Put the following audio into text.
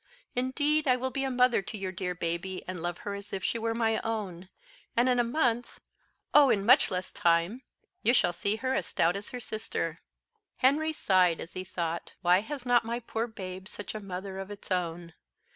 Indeed I will be a mother to your dear baby, and love her as if she were my own; and in a month oh! in much less time you shall see her as stout as her sister." Henry sighed, as he thought, "'Why has not my poor babe such a mother of its own?"